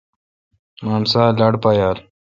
مامسا لاٹ پایال۔